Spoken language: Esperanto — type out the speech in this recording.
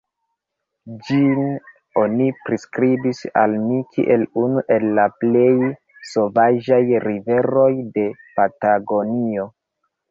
Ĝin oni priskribis al mi kiel unu el la plej sovaĝaj riveroj de Patagonio.